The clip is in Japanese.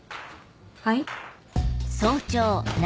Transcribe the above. はい？